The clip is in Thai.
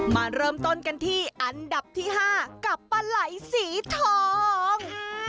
มาเริ่มต้นกันที่อันดับที่๕กับปลาไหล่สีทอง